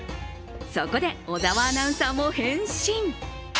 そこで、小沢アナウンサーも変身。